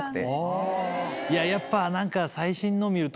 いややっぱ何か。